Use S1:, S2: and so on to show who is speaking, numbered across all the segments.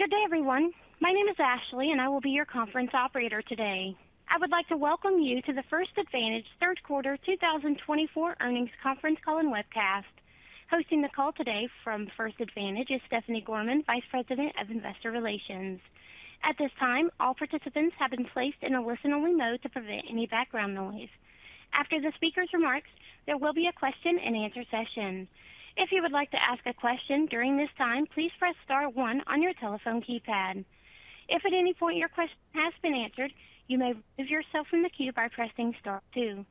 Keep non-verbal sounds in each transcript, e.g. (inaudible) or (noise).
S1: Good day, everyone. My name is Ashley, and I will be your conference operator today. I would like to welcome you to the First Advantage Third Quarter 2024 Earnings Conference Call and Webcast. Hosting the call today from First Advantage is Stephanie Gorman, Vice President of Investor Relations. At this time, all participants have been placed in a listen-only mode to prevent any background noise. After the speaker's remarks, there will be a question-and-answer session. If you would like to ask a question during this time, please press star one on your telephone keypad. If at any point your question has been answered, you may remove yourself from the queue by pressing star two.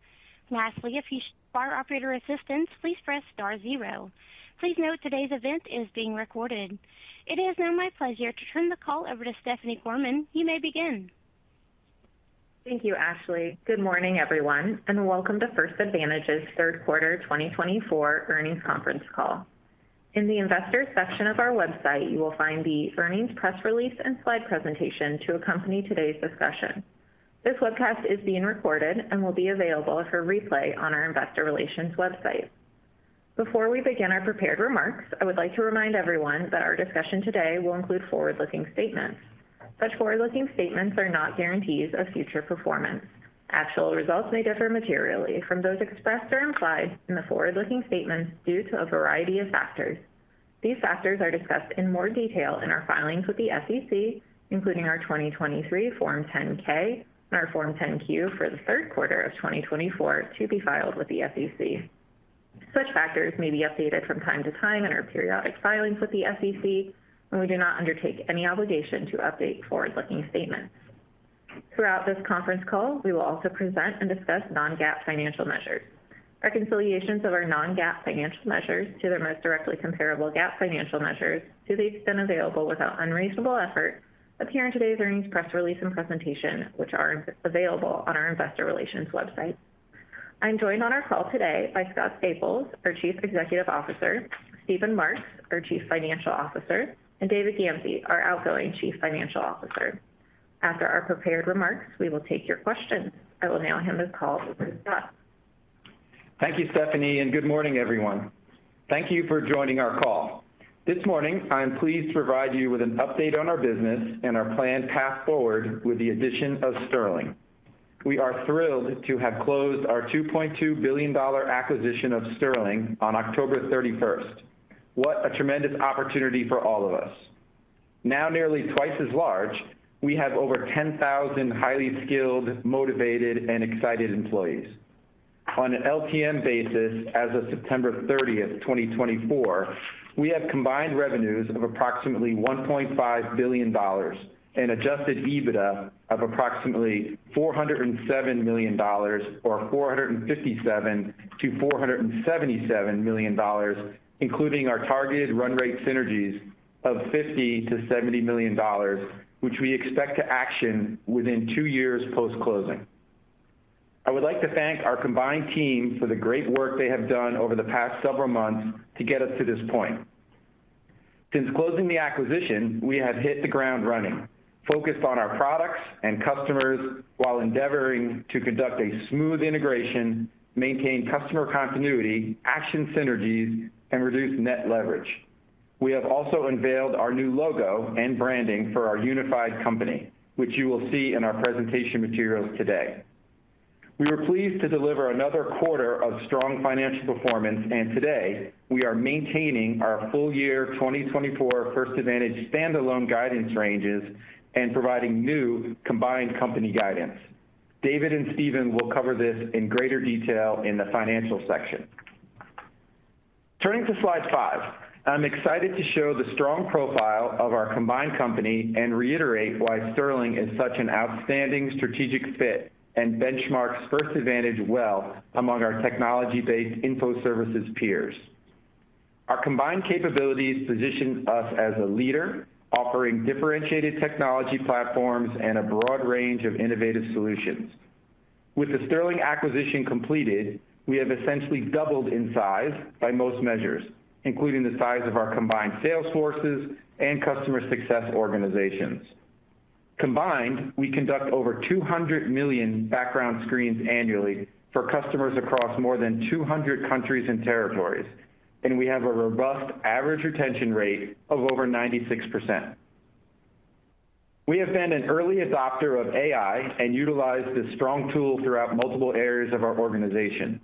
S1: Lastly, if you should require operator assistance, please press star zero. Please note today's event is being recorded. It is now my pleasure to turn the call over to Stephanie Gorman. You may begin.
S2: Thank you, Ashley. Good morning, everyone, and welcome to First Advantage's third quarter 2024 earnings conference call. In the Investor section of our website, you will find the earnings press release and slide presentation to accompany today's discussion. This webcast is being recorded and will be available for replay on our investor relations website. Before we begin our prepared remarks, I would like to remind everyone that our discussion today will include forward-looking statements. Such forward-looking statements are not guarantees of future performance. Actual results may differ materially from those expressed or implied in the forward-looking statements due to a variety of factors. These factors are discussed in more detail in our filings with the SEC, including our 2023 Form 10-K and our Form 10-Q for the third quarter of 2024 to be filed with the SEC. Such factors may be updated from time to time in our periodic filings with the SEC, and we do not undertake any obligation to update forward-looking statements. Throughout this conference call, we will also present and discuss non-GAAP financial measures. Reconciliations of our non-GAAP financial measures to their most directly comparable GAAP financial measures, to the extent available without unreasonable effort, appear in today's earnings press release and presentation, which are available on our investor relations website. I'm joined on our call today by Scott Staples, our Chief Executive Officer, Steven Marks, our Chief Financial Officer, and David Gamsey, our Outgoing Chief Financial Officer. After our prepared remarks, we will take your questions. I will now hand the call over to Scott.
S3: Thank you, Stephanie, and good morning, everyone. Thank you for joining our call. This morning, I am pleased to provide you with an update on our business and our planned path forward with the addition of Sterling. We are thrilled to have closed our $2.2 billion acquisition of Sterling on October 31st. What a tremendous opportunity for all of us. Now nearly twice as large, we have over 10,000 highly skilled, motivated, and excited employees. On an LTM basis, as of September 30th, 2024, we have combined revenues of approximately $1.5 billion and adjusted EBITDA of approximately $407 million, or $457 million-$477 million, including our targeted run rate synergies of $50 million-$70 million, which we expect to action within two years post-closing. I would like to thank our combined team for the great work they have done over the past several months to get us to this point. Since closing the acquisition, we have hit the ground running, focused on our products and customers while endeavoring to conduct a smooth integration, maintain customer continuity, action synergies, and reduce net leverage. We have also unveiled our new logo and branding for our unified company, which you will see in our presentation materials today. We were pleased to deliver another quarter of strong financial performance, and today we are maintaining our full-year 2024 First Advantage standalone guidance ranges and providing new combined company guidance. David and Steven will cover this in greater detail in the financial section. Turning to slide five, I'm excited to show the strong profile of our combined company and reiterate why Sterling is such an outstanding strategic fit and benchmarks First Advantage well among our technology-based info services peers. Our combined capabilities position us as a leader, offering differentiated technology platforms and a broad range of innovative solutions. With the Sterling acquisition completed, we have essentially doubled in size by most measures, including the size of our combined sales forces and customer success organizations. Combined, we conduct over 200 million background screens annually for customers across more than 200 countries and territories, and we have a robust average retention rate of over 96%. We have been an early adopter of AI and utilize this strong tool throughout multiple areas of our organization.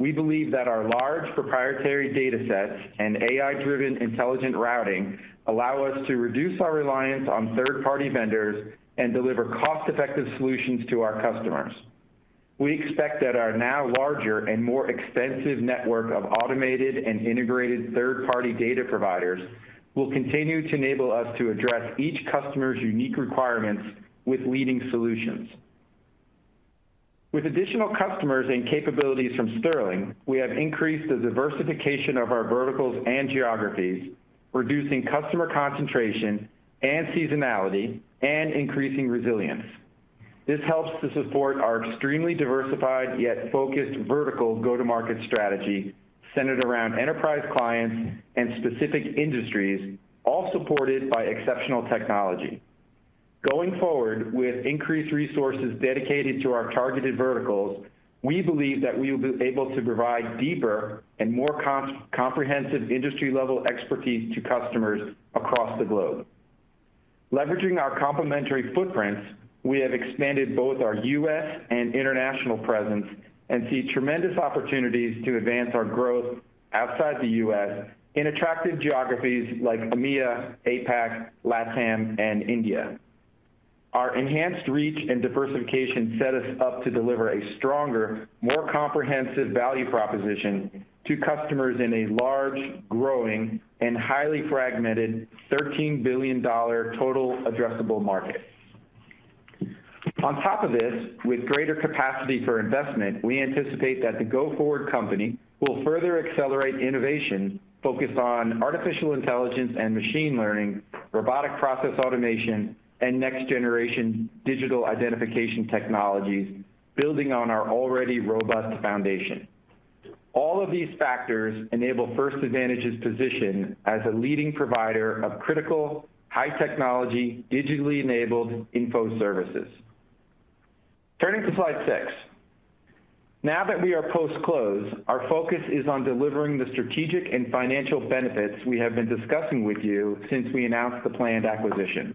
S3: We believe that our large proprietary data sets and AI-driven intelligent routing allow us to reduce our reliance on third-party vendors and deliver cost-effective solutions to our customers. We expect that our now larger and more extensive network of automated and integrated third-party data providers will continue to enable us to address each customer's unique requirements with leading solutions. With additional customers and capabilities from Sterling, we have increased the diversification of our verticals and geographies, reducing customer concentration and seasonality and increasing resilience. This helps to support our extremely diversified yet focused vertical go-to-market strategy centered around enterprise clients and specific industries, all supported by exceptional technology. Going forward with increased resources dedicated to our targeted verticals, we believe that we will be able to provide deeper and more comprehensive industry-level expertise to customers across the globe. Leveraging our complementary footprints, we have expanded both our U.S. and international presence and see tremendous opportunities to advance our growth outside the U.S. in attractive geographies like EMEA, APAC, LATAM, and India. Our enhanced reach and diversification set us up to deliver a stronger, more comprehensive value proposition to customers in a large, growing, and highly fragmented $13 billion total addressable market. On top of this, with greater capacity for investment, we anticipate that the go-forward company will further accelerate innovation focused on artificial intelligence and machine learning, robotic process automation, and next-generation digital identification technologies, building on our already robust foundation. All of these factors enable First Advantage's position as a leading provider of critical, high-technology, digitally-enabled info services. Turning to slide six, now that we are post-close, our focus is on delivering the strategic and financial benefits we have been discussing with you since we announced the planned acquisition.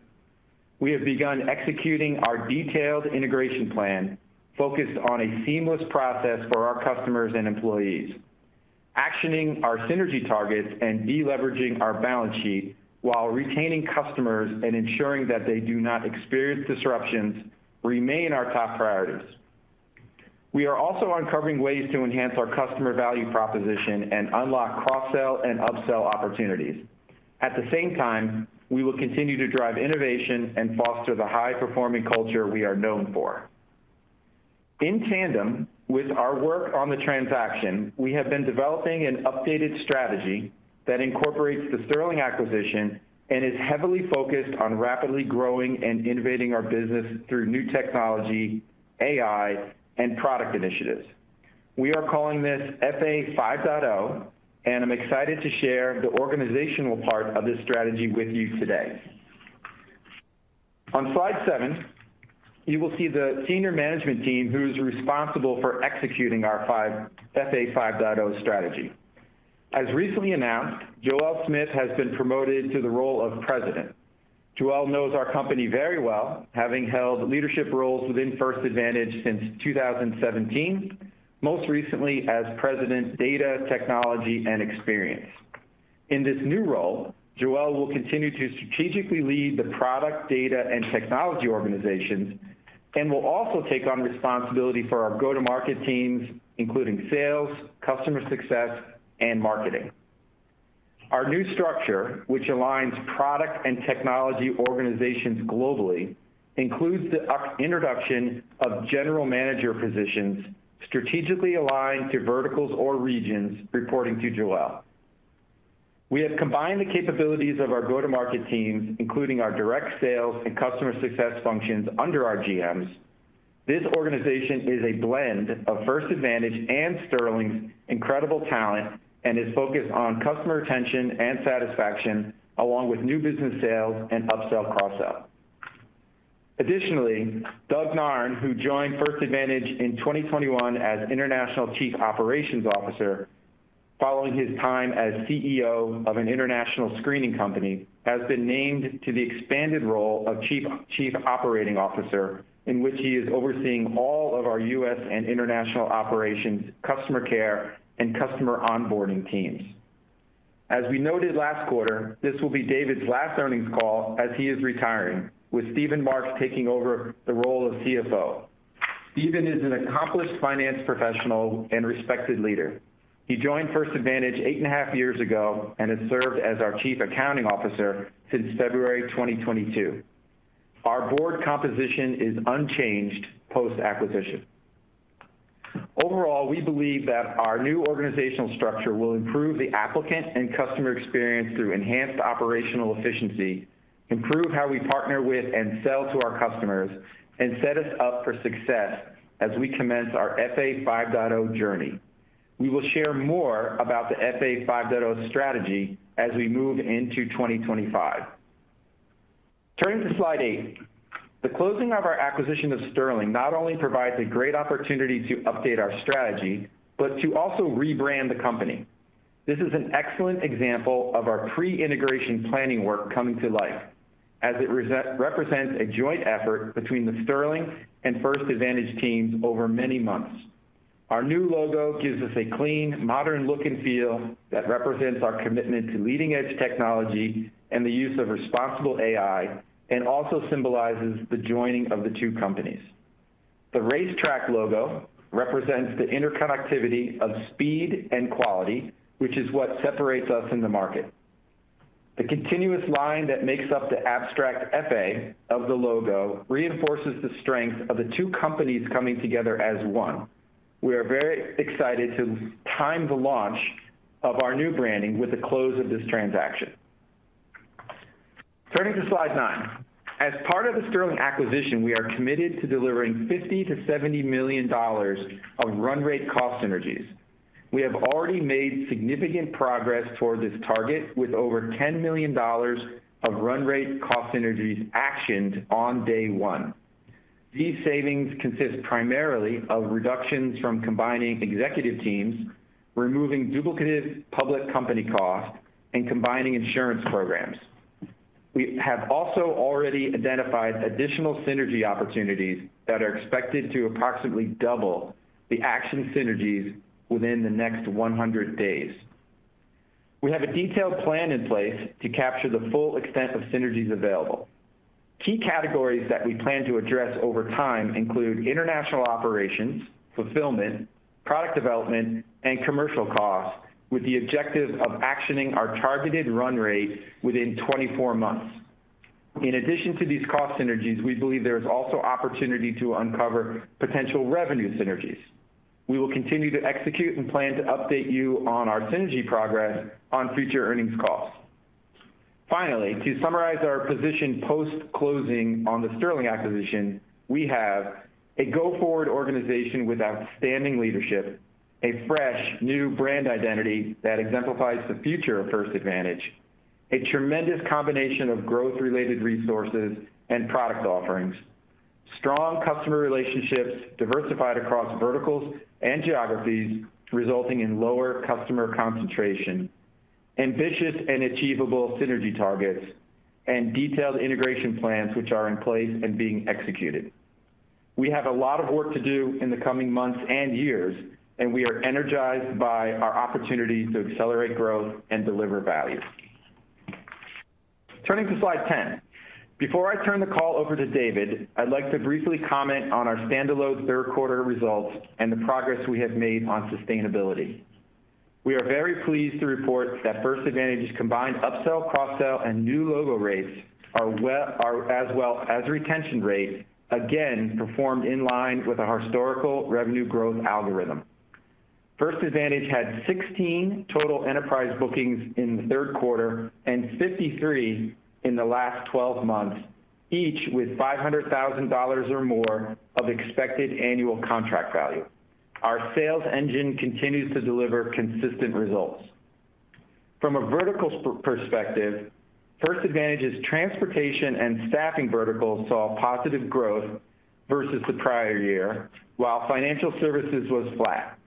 S3: We have begun executing our detailed integration plan focused on a seamless process for our customers and employees, actioning our synergy targets and deleveraging our balance sheet while retaining customers and ensuring that they do not experience disruptions remain our top priorities. We are also uncovering ways to enhance our customer value proposition and unlock cross-sell and up-sell opportunities. At the same time, we will continue to drive innovation and foster the high-performing culture we are known for. In tandem with our work on the transaction, we have been developing an updated strategy that incorporates the Sterling acquisition and is heavily focused on rapidly growing and innovating our business through new technology, AI, and product initiatives. We are calling this FA 5.0, and I'm excited to share the organizational part of this strategy with you today. On slide seven, you will see the senior management team who is responsible for executing our FA 5.0 strategy. As recently announced, Joelle Smith has been promoted to the role of President. Joelle knows our company very well, having held leadership roles within First Advantage since 2017, most recently as President, Data, Technology, and Experience. In this new role, Joelle will continue to strategically lead the product, data, and technology organizations and will also take on responsibility for our go-to-market teams, including sales, customer success, and marketing. Our new structure, which aligns product and technology organizations globally, includes the introduction of general manager positions strategically aligned to verticals or regions reporting to Joelle. We have combined the capabilities of our go-to-market teams, including our direct sales and customer success functions under our GMs. This organization is a blend of First Advantage and Sterling's incredible talent and is focused on customer retention and satisfaction, along with new business sales and up-sell cross-sell. Additionally, Doug Nairne, who joined First Advantage in 2021 as International Chief Operations Officer following his time as CEO of an international screening company, has been named to the expanded role of Chief Operating Officer, in which he is overseeing all of our U.S. and international operations, customer care, and customer onboarding teams. As we noted last quarter, this will be David's last earnings call as he is retiring, with Steven Marks taking over the role of CFO. Steven is an accomplished finance professional and respected leader. He joined First Advantage eight and a half years ago and has served as our Chief Accounting Officer since February 2022. Our board composition is unchanged post-acquisition. Overall, we believe that our new organizational structure will improve the applicant and customer experience through enhanced operational efficiency, improve how we partner with and sell to our customers, and set us up for success as we commence our FA 5.0 journey. We will share more about the FA 5.0 strategy as we move into 2025. Turning to slide eight, the closing of our acquisition of Sterling not only provides a great opportunity to update our strategy, but to also rebrand the company. This is an excellent example of our pre-integration planning work coming to life as it represents a joint effort between the Sterling and First Advantage teams over many months. Our new logo gives us a clean, modern look and feel that represents our commitment to leading-edge technology and the use of responsible AI, and also symbolizes the joining of the two companies. The racetrack logo represents the interconnectivity of speed and quality, which is what separates us in the market. The continuous line that makes up the abstract FA of the logo reinforces the strength of the two companies coming together as one. We are very excited to time the launch of our new branding with the close of this transaction. Turning to slide nine, as part of the Sterling acquisition, we are committed to delivering $50 million-$70 million of run rate cost synergies. We have already made significant progress toward this target with over $10 million of run rate cost synergies actioned on day one. These savings consist primarily of reductions from combining executive teams, removing duplicative public company costs, and combining insurance programs. We have also already identified additional synergy opportunities that are expected to approximately double the actioned synergies within the next 100 days. We have a detailed plan in place to capture the full extent of synergies available. Key categories that we plan to address over time include international operations, fulfillment, product development, and commercial costs, with the objective of actioning our targeted run rate within 24 months. In addition to these cost synergies, we believe there is also opportunity to uncover potential revenue synergies. We will continue to execute and plan to update you on our synergy progress on future earnings calls. Finally, to summarize our position post-closing on the Sterling acquisition, we have a go-forward organization with outstanding leadership, a fresh new brand identity that exemplifies the future of First Advantage, a tremendous combination of growth-related resources and product offerings, strong customer relationships diversified across verticals and geographies resulting in lower customer concentration, ambitious and achievable synergy targets, and detailed integration plans which are in place and being executed. We have a lot of work to do in the coming months and years, and we are energized by our opportunities to accelerate growth and deliver value. Turning to slide 10, before I turn the call over to David, I'd like to briefly comment on our standalone third-quarter results and the progress we have made on sustainability. We are very pleased to report that First Advantage's combined up-sell, cross-sell, and new logo rates are as well as retention rate, again performed in line with our historical revenue growth algorithm. First Advantage had 16 total enterprise bookings in the third quarter and 53 in the last 12 months, each with $500,000 or more of expected annual contract value. Our sales engine continues to deliver consistent results. From a vertical perspective, First Advantage's transportation and staffing verticals saw positive growth versus the prior year, while financial services was flat.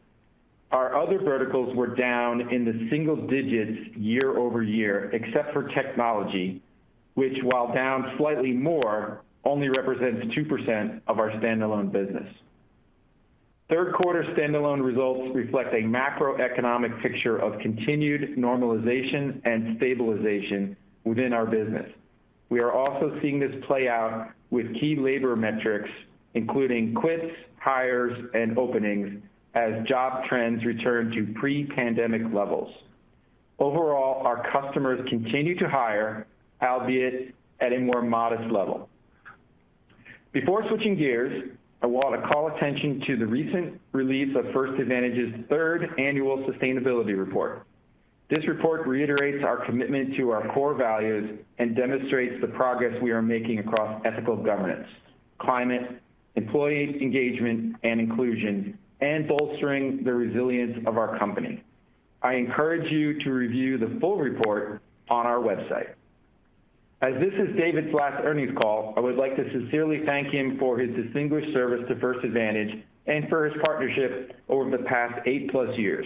S3: Our other verticals were down in the single digits year-over-year, except for technology, which, while down slightly more, only represents 2% of our standalone business. Third-quarter standalone results reflect a macroeconomic picture of continued normalization and stabilization within our business. We are also seeing this play out with key labor metrics, including quits, hires, and openings as job trends return to pre-pandemic levels. Overall, our customers continue to hire, albeit at a more modest level. Before switching gears, I want to call attention to the recent release of First Advantage's third annual sustainability report. This report reiterates our commitment to our core values and demonstrates the progress we are making across ethical governance, climate, employee engagement, and inclusion, and bolstering the resilience of our company. I encourage you to review the full report on our website. As this is David's last earnings call, I would like to sincerely thank him for his distinguished service to First Advantage and for his partnership over the past eight plus years.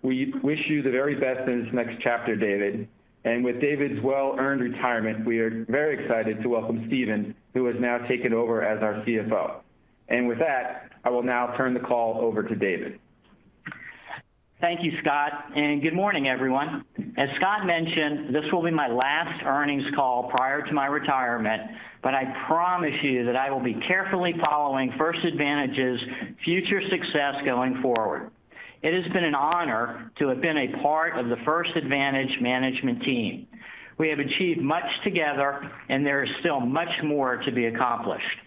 S3: We wish you the very best in this next chapter, David, and with David's well-earned retirement, we are very excited to welcome Steven, who has now taken over as our CFO, and with that, I will now turn the call over to David.
S4: Thank you, Scott, and good morning, everyone. As Scott mentioned, this will be my last earnings call prior to my retirement, but I promise you that I will be carefully following First Advantage's future success going forward. It has been an honor to have been a part of the First Advantage management team. We have achieved much together, and there is still much more to be accomplished.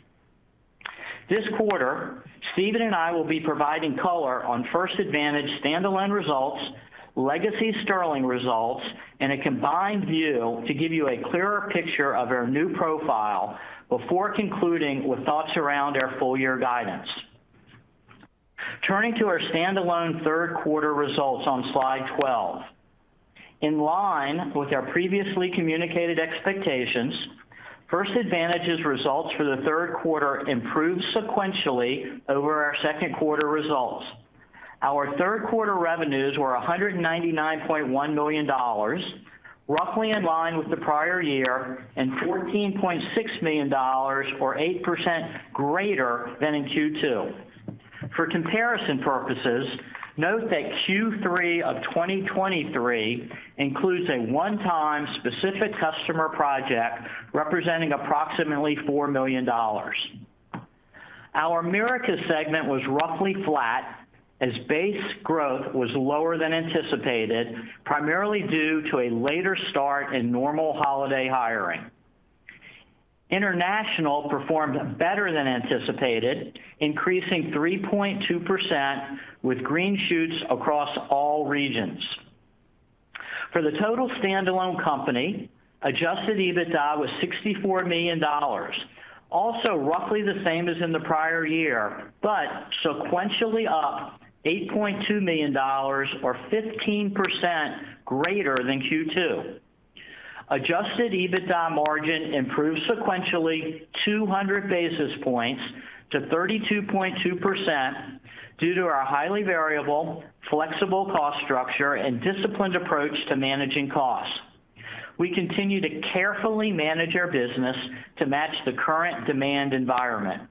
S4: This quarter, Steven and I will be providing color on First Advantage standalone results, legacy Sterling results, and a combined view to give you a clearer picture of our new profile before concluding with thoughts around our full-year guidance. Turning to our standalone third-quarter results on slide 12, in line with our previously communicated expectations, First Advantage's results for the third quarter improved sequentially over our second quarter results. Our third quarter revenues were $199.1 million, roughly in line with the prior year, and $14.6 million, or 8% greater than in Q2. For comparison purposes, note that Q3 of 2023 includes a one-time specific customer project representing approximately $4 million. Our Americas segment was roughly flat as base growth was lower than anticipated, primarily due to a later start in normal holiday hiring. International performed better than anticipated, increasing 3.2% with green shoots across all regions. For the total standalone company, adjusted EBITDA was $64 million, also roughly the same as in the prior year, but sequentially up $8.2 million, or 15% greater than Q2. Adjusted EBITDA margin improved sequentially 200 basis points to 32.2% due to our highly variable, flexible cost structure and disciplined approach to managing costs. We continue to carefully manage our business to match the current demand environment.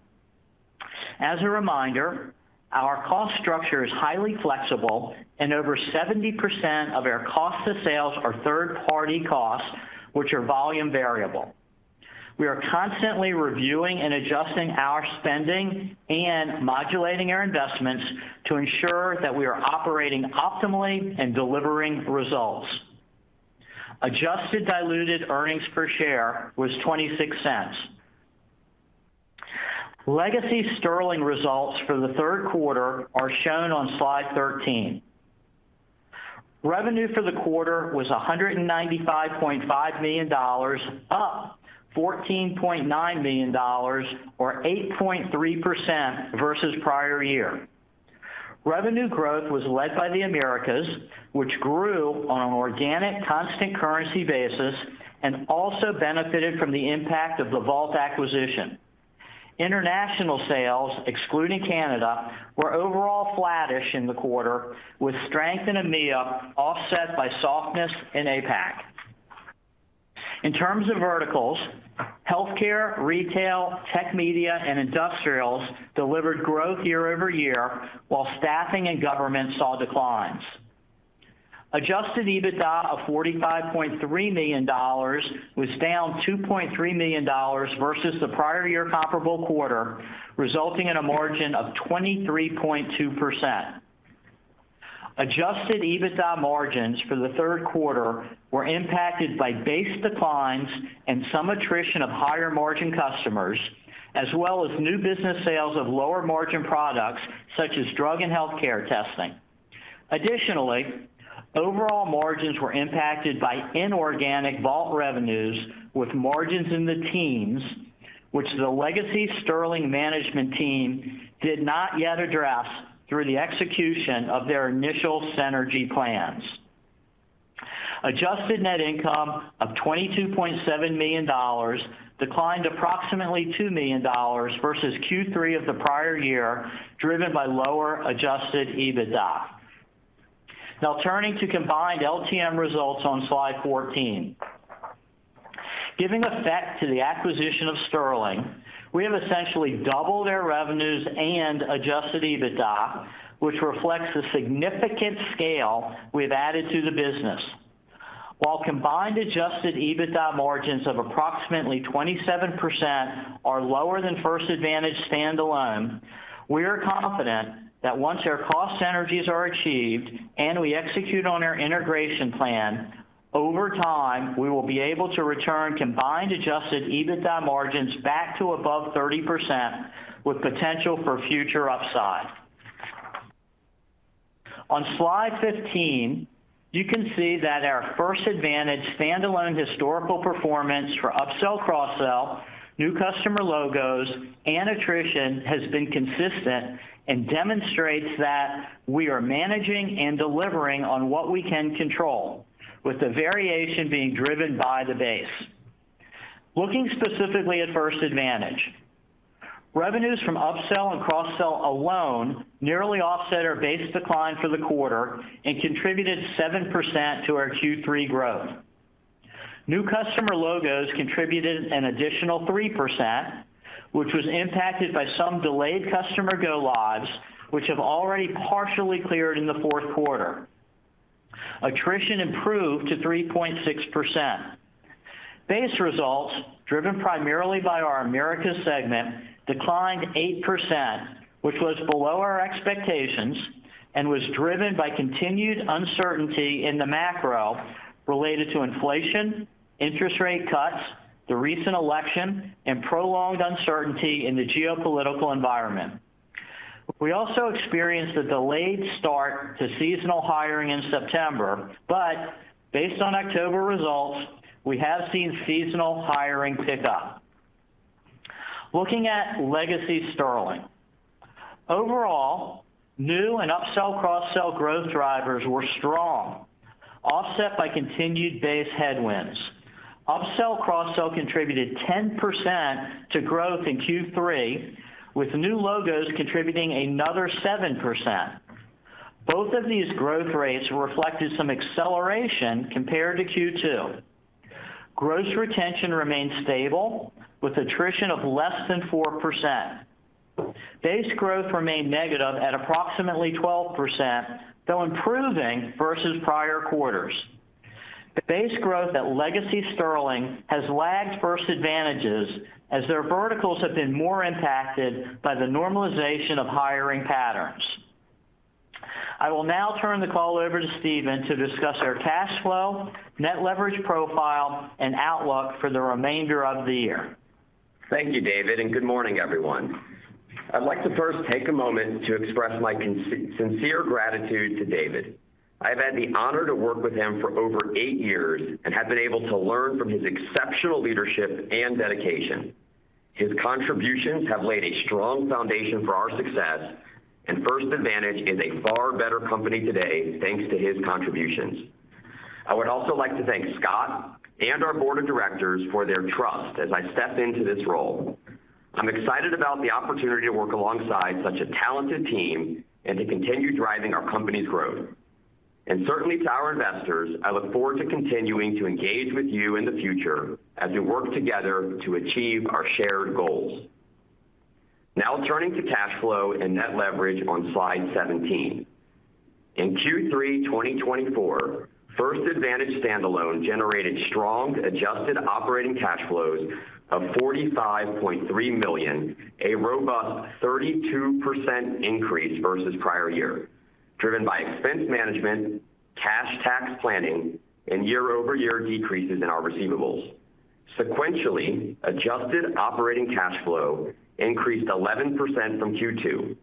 S4: As a reminder, our cost structure is highly flexible, and over 70% of our cost of sales are third-party costs, which are volume variable. We are constantly reviewing and adjusting our spending and modulating our investments to ensure that we are operating optimally and delivering results. Adjusted diluted earnings per share was $0.26. Legacy Sterling results for the third quarter are shown on slide 13. Revenue for the quarter was $195.5 million, up $14.9 million, or 8.3% versus prior year. Revenue growth was led by the Americas, which grew on an organic constant currency basis and also benefited from the impact of the Vault acquisition. International sales, excluding Canada, were overall flattish in the quarter, with strength in EMEA offset by softness in APAC. In terms of verticals, healthcare, retail, tech media, and industrials delivered growth year-over-year, while staffing and government saw declines. Adjusted EBITDA of $45.3 million was down $2.3 million versus the prior year comparable quarter, resulting in a margin of 23.2%. Adjusted EBITDA margins for the third quarter were impacted by base declines and some attrition of higher margin customers, as well as new business sales of lower margin products such as drug and healthcare testing. Additionally, overall margins were impacted by inorganic Vault revenues with margins in the teens, which the legacy Sterling management team did not yet address through the execution of their initial synergy plans. Adjusted net income of $22.7 million declined approximately $2 million versus Q3 of the prior year, driven by lower adjusted EBITDA. Now, turning to combined LTM results on slide 14. Giving effect to the acquisition of Sterling, we have essentially doubled our revenues and adjusted EBITDA, which reflects the significant scale we've added to the business. While combined adjusted EBITDA margins of approximately 27% are lower than First Advantage standalone, we are confident that once our cost synergies are achieved and we execute on our integration plan, over time we will be able to return combined adjusted EBITDA margins back to above 30% with potential for future upside. On slide 15, you can see that our First Advantage standalone historical performance for up-sell, cross-sell, new customer logos, and attrition has been consistent and demonstrates that we are managing and delivering on what we can control, with the variation being driven by the base. Looking specifically at First Advantage, revenues from up-sell and cross-sell alone nearly offset our base decline for the quarter and contributed 7% to our Q3 growth. New customer logos contributed an additional 3%, which was impacted by some delayed customer go-lives, which have already partially cleared in the fourth quarter. Attrition improved to 3.6%. Base results, driven primarily by our America segment, declined 8%, which was below our expectations and was driven by continued uncertainty in the macro related to inflation, interest rate cuts, the recent election, and prolonged uncertainty in the geopolitical environment. We also experienced a delayed start to seasonal hiring in September, but based on October results, we have seen seasonal hiring pick up. Looking at legacy Sterling, overall, new and up-sell, cross-sell growth drivers were strong, offset by continued base headwinds. Up-sell, cross-sell contributed 10% to growth in Q3, with new logos contributing another 7%. Both of these growth rates reflected some acceleration compared to Q2. Gross retention remained stable with attrition of less than 4%. Base growth remained negative at approximately 12%, though improving versus prior quarters. Base growth at legacy Sterling has lagged First Advantage's as their verticals have been more impacted by the normalization of hiring patterns. I will now turn the call over to Steven to discuss our cash flow, net leverage profile, and outlook for the remainder of the year.
S5: Thank you, David, and good morning, everyone. I'd like to first take a moment to express my sincere gratitude to David. I have had the honor to work with him for over eight years and have been able to learn from his exceptional leadership and dedication. His contributions have laid a strong foundation for our success, and First Advantage is a far better company today thanks to his contributions. I would also like to thank Scott and our board of directors for their trust as I step into this role. I'm excited about the opportunity to work alongside such a talented team and to continue driving our company's growth, and certainly to our investors, I look forward to continuing to engage with you in the future as we work together to achieve our shared goals. Now, turning to cash flow and net leverage on slide 17. In Q3 2024, First Advantage standalone generated strong adjusted operating cash flows of $45.3 million, a robust 32% increase versus prior year, driven by expense management, cash tax planning, and year-over-year decreases in our receivables. Sequentially, adjusted operating cash flow increased 11% from Q2.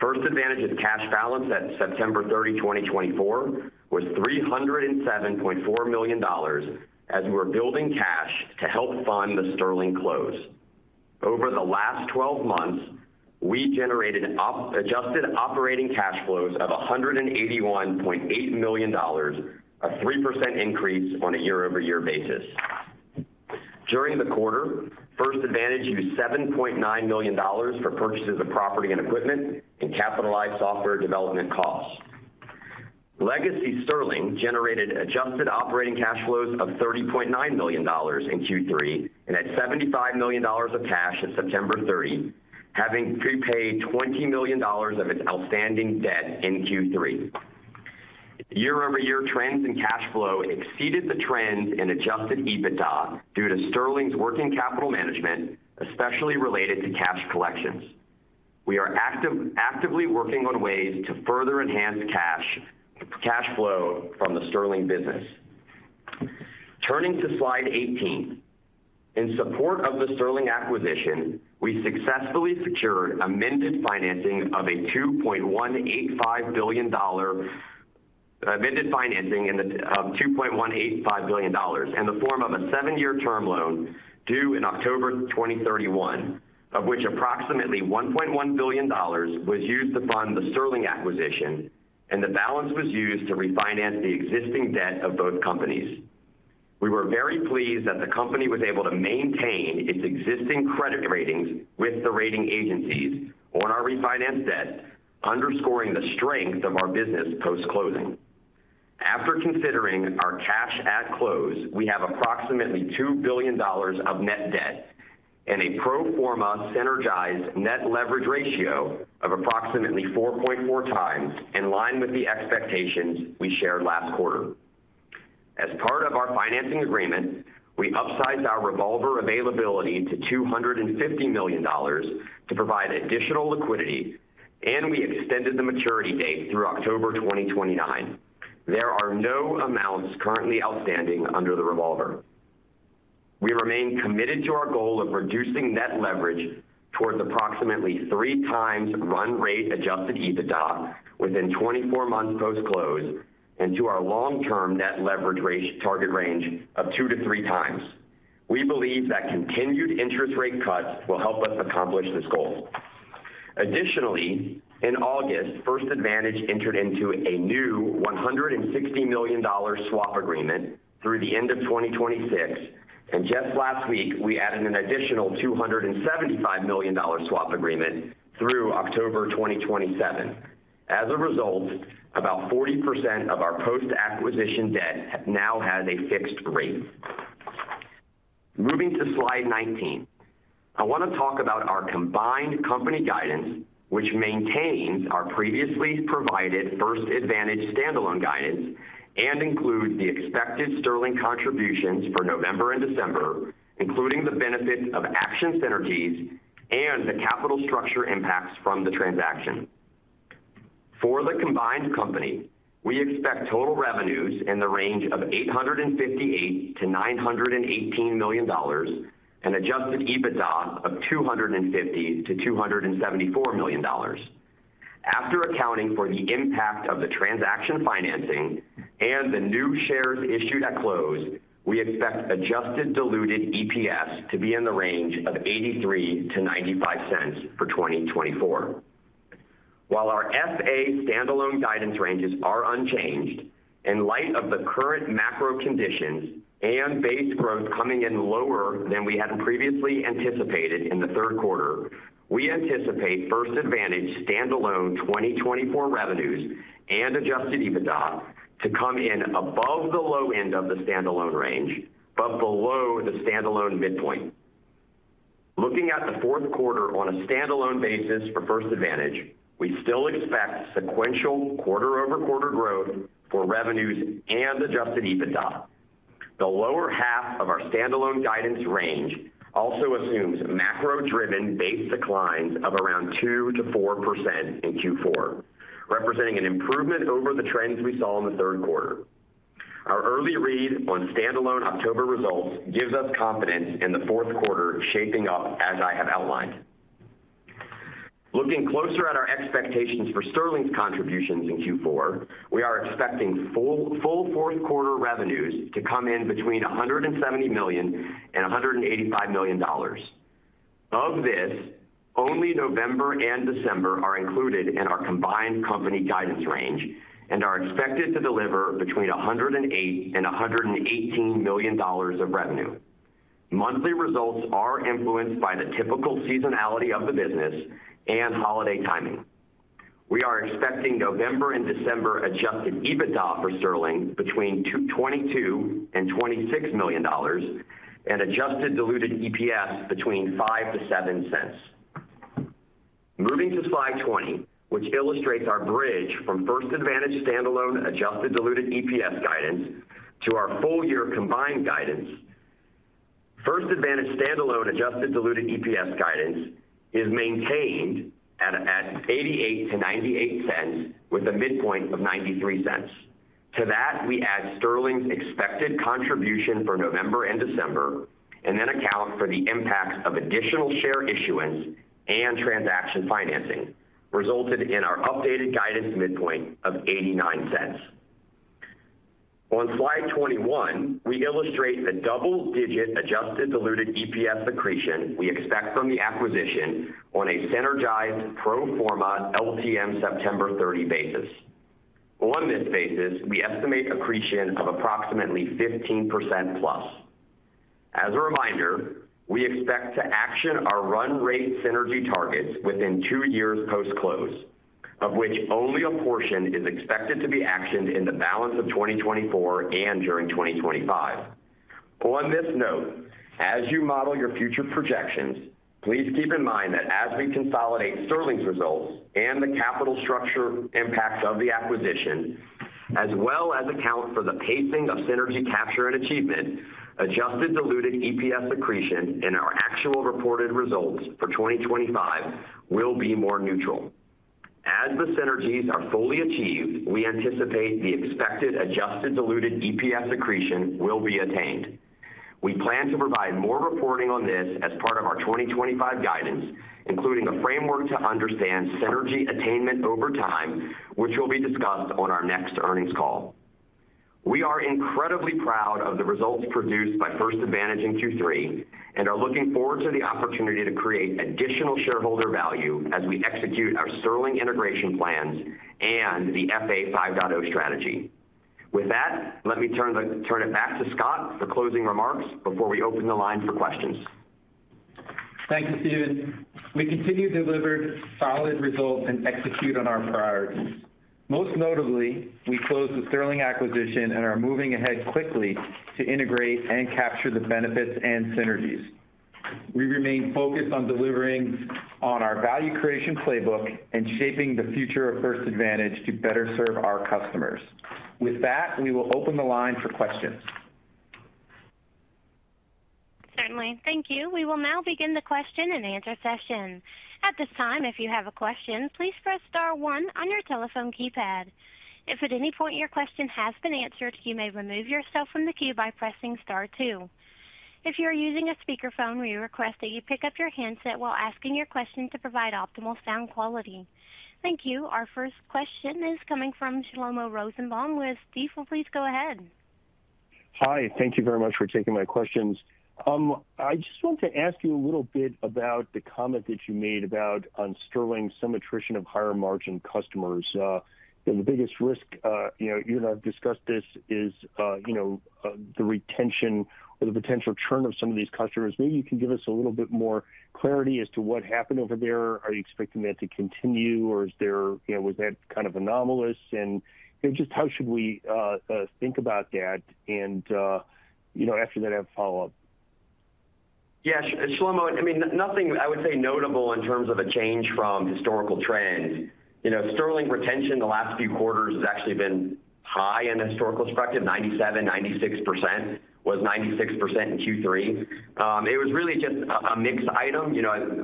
S5: First Advantage's cash balance at September 30, 2024, was $307.4 million as we were building cash to help fund the Sterling close. Over the last 12 months, we generated adjusted operating cash flows of $181.8 million, a 3% increase on a year-over-year basis. During the quarter, First Advantage used $7.9 million for purchases of property and equipment and capitalized software development costs. Legacy Sterling generated adjusted operating cash flows of $30.9 million in Q3 and had $75 million of cash at September 30, having prepaid $20 million of its outstanding debt in Q3. Year-over-year trends in cash flow exceeded the trends in adjusted EBITDA due to Sterling's working capital management, especially related to cash collections. We are actively working on ways to further enhance cash flow from the Sterling business. Turning to slide 18, in support of the Sterling acquisition, we successfully secured amended financing of $2.185 billion of $2.185 billion in the form of a seven-year term loan due in October 2031, of which approximately $1.1 billion was used to fund the Sterling acquisition, and the balance was used to refinance the existing debt of both companies. We were very pleased that the company was able to maintain its existing credit ratings with the rating agencies on our refinanced debt, underscoring the strength of our business post-closing. After considering our cash at close, we have approximately $2 billion of net debt and a pro forma synergized net leverage ratio of approximately 4.4 times, in line with the expectations we shared last quarter. As part of our financing agreement, we upsized our revolver availability to $250 million to provide additional liquidity, and we extended the maturity date through October 2029. There are no amounts currently outstanding under the revolver. We remain committed to our goal of reducing net leverage towards approximately three times run rate adjusted EBITDA within 24 months post-close and to our long-term net leverage target range of two to three times. We believe that continued interest rate cuts will help us accomplish this goal. Additionally, in August, First Advantage entered into a new $160 million swap agreement through the end of 2026, and just last week, we added an additional $275 million swap agreement through October 2027. As a result, about 40% of our post-acquisition debt now has a fixed rate. Moving to slide 19, I want to talk about our combined company guidance, which maintains our previously provided First Advantage standalone guidance and includes the expected Sterling contributions for November and December, including the benefit of acquisition synergies and the capital structure impacts from the transaction. For the combined company, we expect total revenues in the range of $858 million-$918 million and adjusted EBITDA of $250 million-$274 million. After accounting for the impact of the transaction financing and the new shares issued at close, we expect adjusted diluted EPS to be in the range of $0.83-$0.95 for 2024. While our FA standalone guidance ranges are unchanged, in light of the current macro conditions and base growth coming in lower than we had previously anticipated in the third quarter, we anticipate First Advantage standalone 2024 revenues and adjusted EBITDA to come in above the low end of the standalone range, but below the standalone midpoint. Looking at the fourth quarter on a standalone basis for First Advantage, we still expect sequential quarter-over-quarter growth for revenues and adjusted EBITDA. The lower half of our standalone guidance range also assumes macro-driven base declines of around 2%-4% in Q4, representing an improvement over the trends we saw in the third quarter. Our early read on standalone October results gives us confidence in the fourth quarter shaping up as I have outlined. Looking closer at our expectations for Sterling's contributions in Q4, we are expecting full fourth quarter revenues to come in between $170 million and $185 million. Of this, only November and December are included in our combined company guidance range and are expected to deliver between $108 million and $118 million of revenue. Monthly results are influenced by the typical seasonality of the business and holiday timing. We are expecting November and December adjusted EBITDA for Sterling between $22 million and $26 million and Adjusted Diluted EPS between $0.05 to $0.07. Moving to slide 20, which illustrates our bridge from First Advantage standalone Adjusted Diluted EPS guidance to our full-year combined guidance, First Advantage standalone Adjusted Diluted EPS guidance is maintained at $0.88-$0.98 with a midpoint of $0.93. To that, we add Sterling's expected contribution for November and December, and then account for the impact of additional share issuance and transaction financing resulted in our updated guidance midpoint of $0.89. On Slide 21, we illustrate the double-digit Adjusted Diluted EPS accretion we expect from the acquisition on a synergized pro forma LTM September 30 basis. On this basis, we estimate accretion of approximately 15% plus. As a reminder, we expect to action our run rate synergy targets within two years post-close, of which only a portion is expected to be actioned in the balance of 2024 and during 2025. On this note, as you model your future projections, please keep in mind that as we consolidate Sterling's results and the capital structure impact of the acquisition, as well as account for the pacing of synergy capture and achievement, Adjusted Diluted EPS accretion in our actual reported results for 2025 will be more neutral. As the synergies are fully achieved, we anticipate the expected Adjusted Diluted EPS accretion will be attained. We plan to provide more reporting on this as part of our 2025 guidance, including a framework to understand synergy attainment over time, which will be discussed on our next earnings call. We are incredibly proud of the results produced by First Advantage in Q3 and are looking forward to the opportunity to create additional shareholder value as we execute our Sterling integration plans and the FA 5.0 strategy. With that, let me turn it back to Scott for closing remarks before we open the line for questions.
S3: Thank you, Steven. We continue to deliver solid results and execute on our priorities. Most notably, we closed the Sterling acquisition and are moving ahead quickly to integrate and capture the benefits and synergies. We remain focused on delivering on our value creation playbook and shaping the future of First Advantage to better serve our customers. With that, we will open the line for questions.
S1: Certainly. Thank you. We will now begin the question and answer session. At this time, if you have a question, please press star one on your telephone keypad. If at any point your question has been answered, you may remove yourself from the queue by pressing star two. If you are using a speakerphone, we request that you pick up your handset while asking your question to provide optimal sound quality. Thank you. Our first question is coming from Shlomo Rosenbaum with Stifel, please go ahead.
S6: Hi. Thank you very much for taking my questions. I just want to ask you a little bit about the comment that you made about on Sterling, some attrition of higher margin customers. The biggest risk you and I have discussed, this is the retention or the potential churn of some of these customers. Maybe you can give us a little bit more clarity as to what happened over there. Are you expecting that to continue, or was that kind of anomalous? And just how should we think about that? And after that, I have a follow-up.
S3: Yeah. Shlomo, I mean, nothing I would say notable in terms of a change from historical trends. Sterling retention the last few quarters has actually been high in historical perspective, 97%-96%, was 96% in Q3. It was really just a mixed item.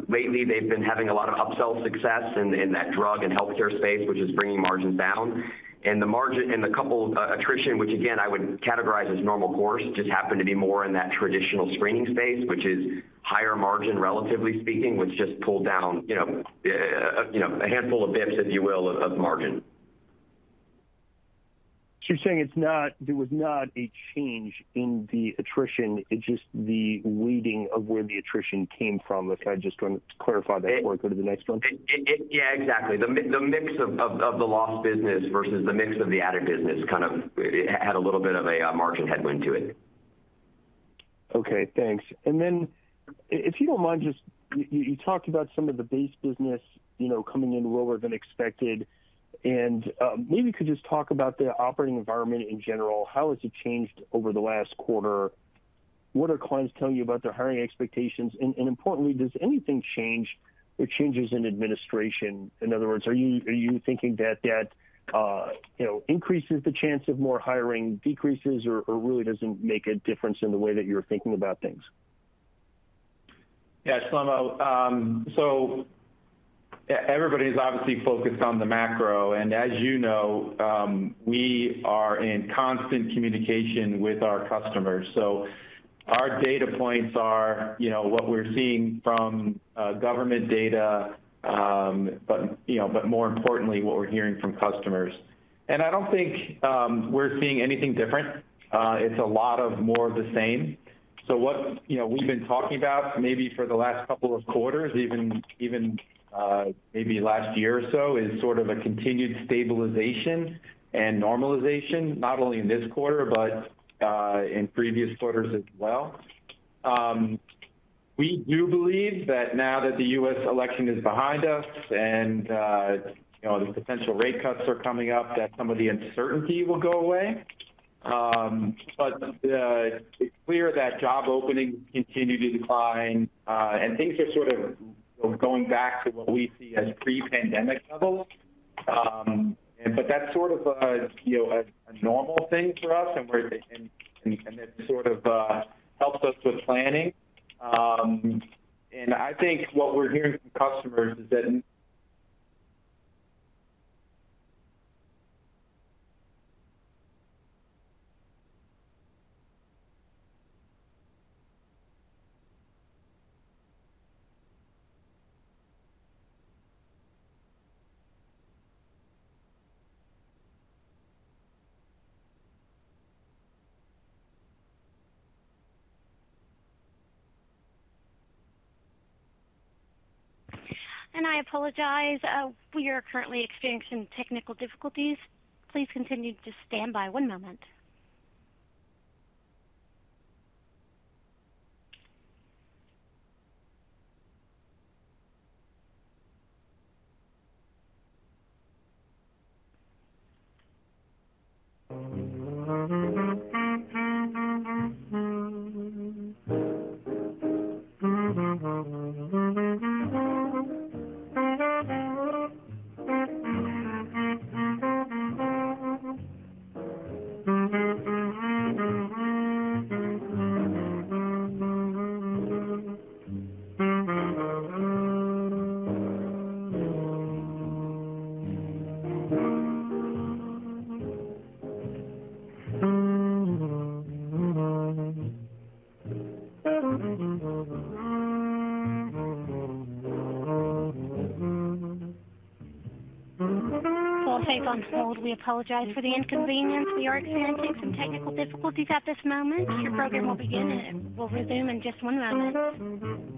S3: Lately, they've been having a lot of upsell success in that drug and healthcare space, which is bringing margins down. And the margin and the couple attrition, which again, I would categorize as normal course, just happened to be more in that traditional screening space, which is higher margin, relatively speaking, which just pulled down a handful of dips, if you will, of margin.
S6: So you're saying it was not a change in the attrition, just the weighting of where the attrition came from? If I just want to clarify that before I go to the next one.
S3: Yeah, exactly. The mix of the lost business versus the mix of the added business kind of had a little bit of a margin headwind to it.
S6: Okay. Thanks. And then, if you don't mind, just you talked about some of the base business coming in lower than expected. And maybe you could just talk about the operating environment in general. How has it changed over the last quarter? What are clients telling you about their hiring expectations? And importantly, does anything change or changes in administration? In other words, are you thinking that that increases the chance of more hiring, decreases, or really doesn't make a difference in the way that you're thinking about things?
S3: Yeah, Shlomo. So everybody's obviously focused on the macro. And as you know, we are in constant communication with our customers. So our data points are what we're seeing from government data, but more importantly, what we're hearing from customers. And I don't think we're seeing anything different. It's a lot of more of the same. So what we've been talking about maybe for the last couple of quarters, even maybe last year or so, is sort of a continued stabilization and normalization, not only in this quarter but in previous quarters as well. We do believe that now that the U.S. election is behind us and the potential rate cuts are coming up, that some of the uncertainty will go away. But it's clear that job openings continue to decline, and things are sort of going back to what we see as pre-pandemic levels. But that's sort of a normal thing for us, and it sort of helps us with planning. And I think what we're hearing from customers is that.
S1: And I apologize. We are currently experiencing technical difficulties. Please continue to stand by one moment. Call taken on hold. We apologize for the inconvenience. We are experiencing some technical difficulties at this moment. Your program will begin and will resume in just one moment.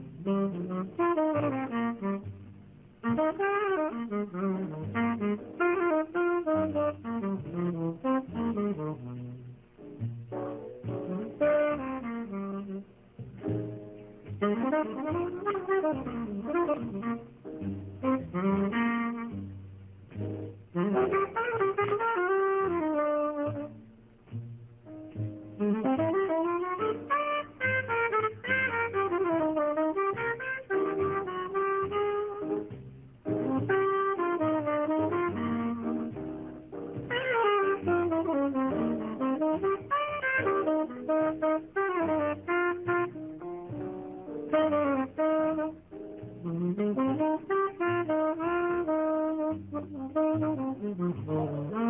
S1: All right.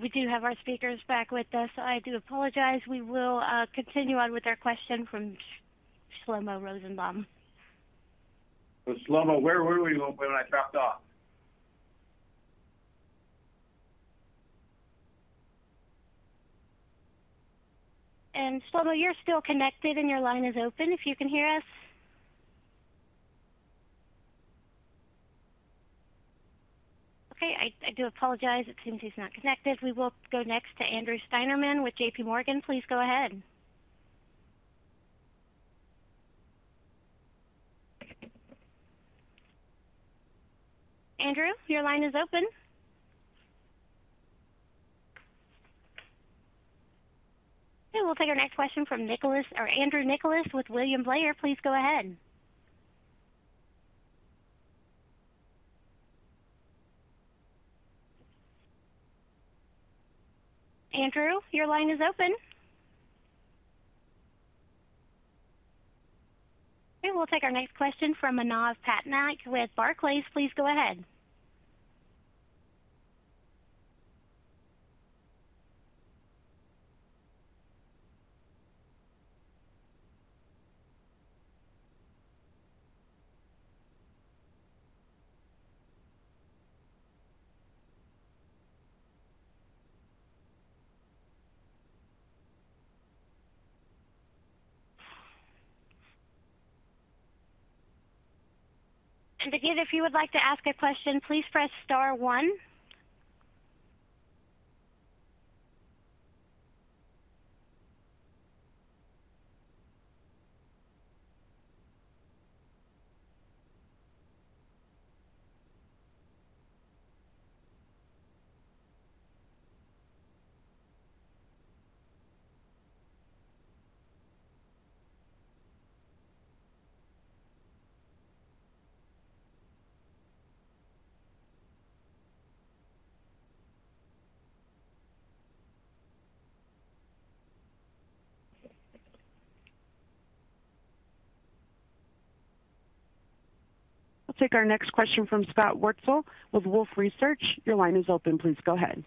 S1: We do have our speakers back with us. I do apologize. We will continue on with our question from Shlomo Rosenbaum.
S3: Shlomo, where were you when I dropped off?
S1: And Shlomo, you're still connected and your line is open if you can hear us. Okay. I do apologize. It seems he's not connected. We will go next to Andrew Steinerman with J.P. Morgan. Please go ahead. Andrew, your line is open. Okay. We'll take our next question from Andrew Nicholas with William Blair. Please go ahead. Andrew, your line is open. Okay. We'll take our next question from Manav Patnaik with Barclays. Please go ahead. And again, if you would like to ask a question, please press star one. I'll take our next question from Scott Wurtzel with Wolfe Research. Your line is open. Please go ahead.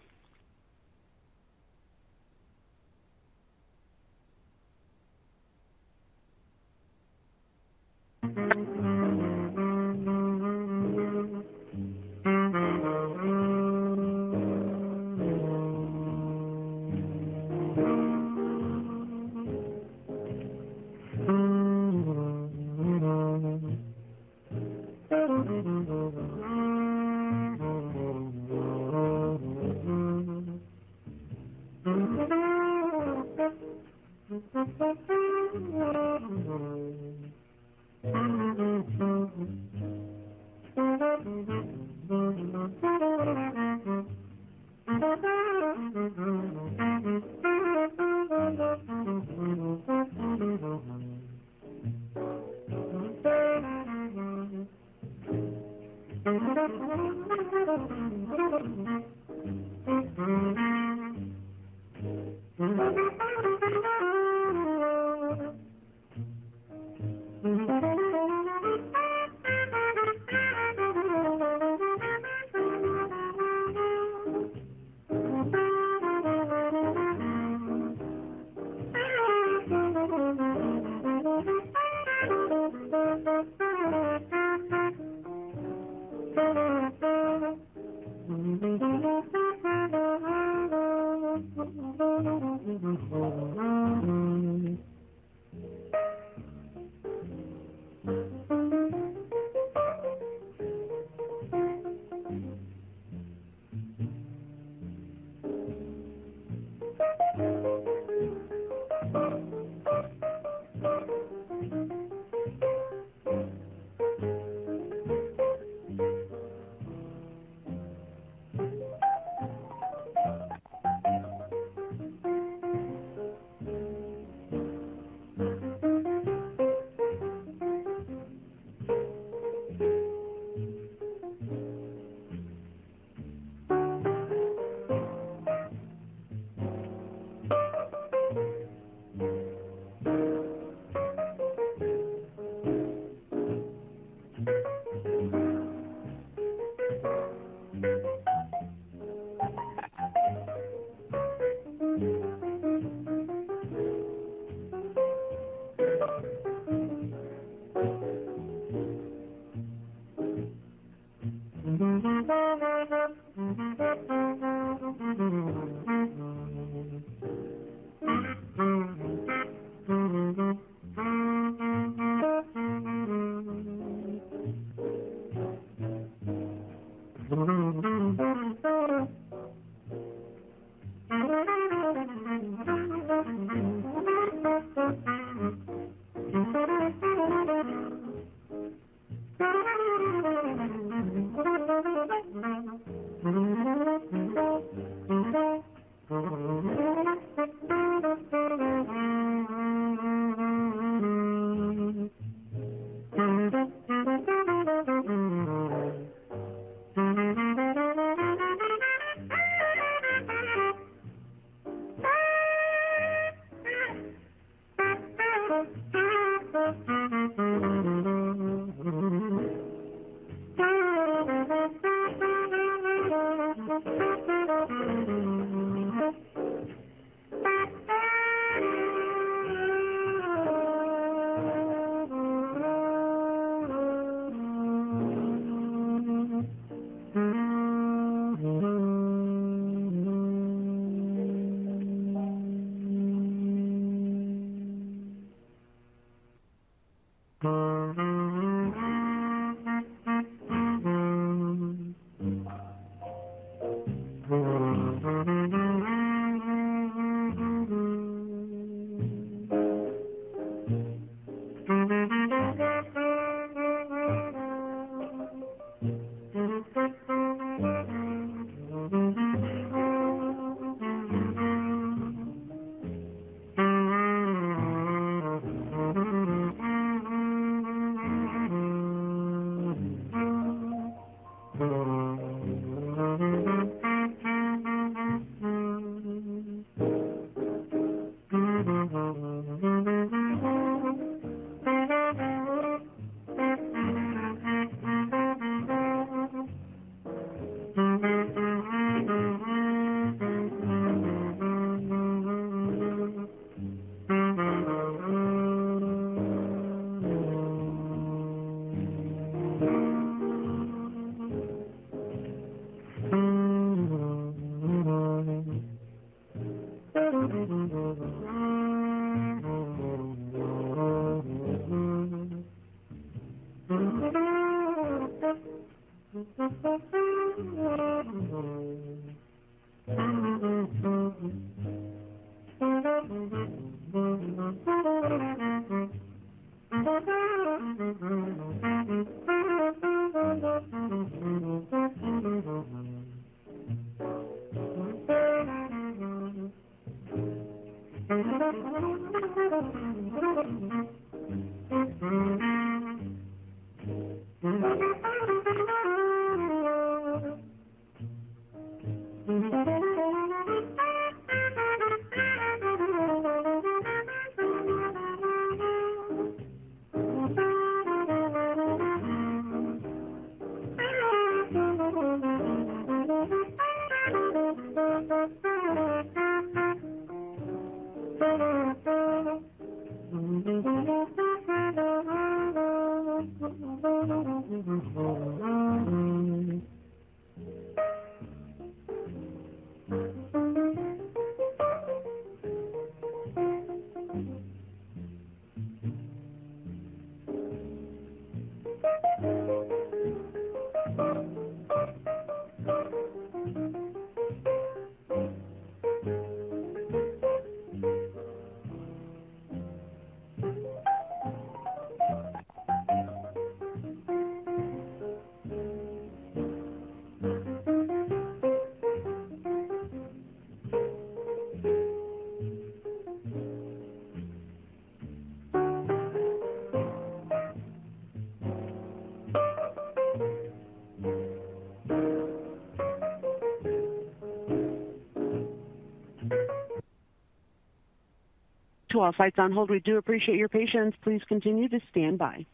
S1: Call is on hold. We do appreciate your patience. Please continue to stand by.